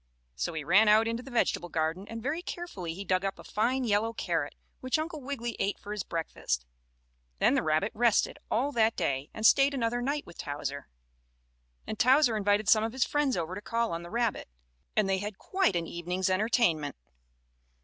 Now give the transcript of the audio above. So he ran out into the vegetable garden, and, very carefully he dug up a fine yellow carrot, which Uncle Wiggily ate for his breakfast. Then the rabbit rested all that day, and stayed another night with Towser. And Towser invited some of his friends over to call on the rabbit, and they had quite an evening's entertainment.